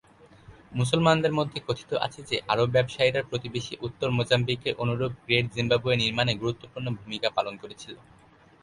মুসলমানদের মধ্যে কথিত আছে যে আরব ব্যবসায়ীরা প্রতিবেশী উত্তর মোজাম্বিকের অনুরূপ গ্রেট জিম্বাবুয়ে নির্মাণে গুরুত্বপূর্ণ ভূমিকা পালন করেছিল।